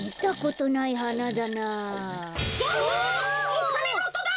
おかねのおとだ！